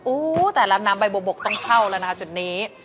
อู้วแต่ละน้ำใบบกต้องเข้าแล้วนะคะจุดนี้